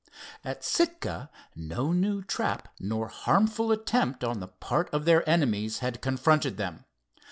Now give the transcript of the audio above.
At Sitka no new trap nor harmful attempt on the part of their enemies had confronted them.